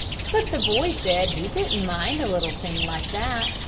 But the boy said he didn't mind a little thing like that.